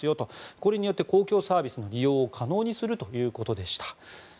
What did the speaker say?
これによって公共サービスの利用と可能にするということでした。